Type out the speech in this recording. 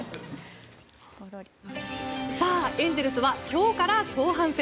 さあ、エンゼルスは今日から後半戦。